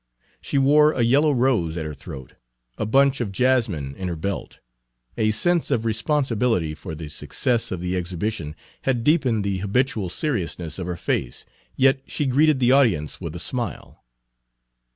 She wore a yellow rose at her throat, a bunch of jasmine in her belt. A sense of responsibility for the success of the exhibition had deepened the habitual seriousness of her face, yet she greeted the audience with a smile.